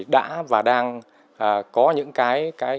đã và đang có những cái